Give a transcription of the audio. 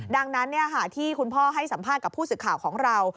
ดังนั้นที่คุณพ่อให้สัมภาษณ์กับผู้สื่อข่าวของเรา